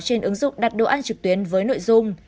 trên ứng dụng đặt đồ ăn trực tuyến với nội dung